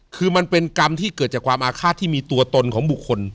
คือมันเป็นกรรมที่เกิดจากความอาฆาตที่มีตัวตนของบุคคล